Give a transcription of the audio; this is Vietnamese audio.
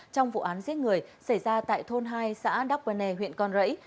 trong vụ án giết người xảy ra tại thôn hai xã đắk quân nè huyện con rẫy